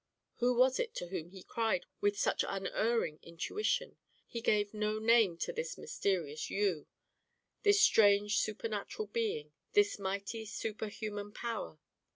Who was it to whom he had cried with such unerring intuition? He gave no name to this mysterious "You," this strange supernatural being, this mighty superhuman power.